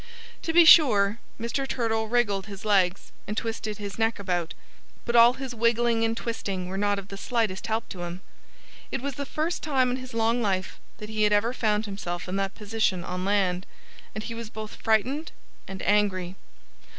To be sure, Mr. Turtle wriggled his legs, and twisted his neck about. But all his wiggling and twisting were of not the slightest help to him. It was the first time in his long life that he had ever found himself in that position on land. And he was both frightened and angry.